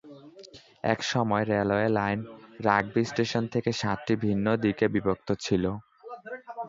এক সময় railway line Rugby station থেকে সাতটি ভিন্ন দিকে বিভক্ত ছিল।